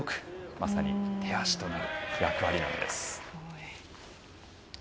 まさに手足となる役割です。